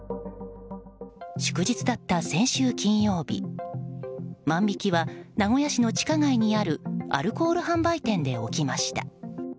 祝日だった先週金曜日万引きは名古屋市の地下街にあるアルコール販売店で起きました。